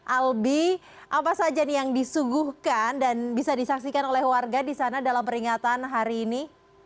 albi apa saja nih yang disuguhkan dan bisa disaksikan oleh warga di sana dalam peringatan hari ini